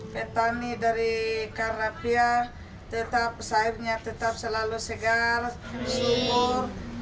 petani dari karapia tetap sairnya tetap selalu segar sumur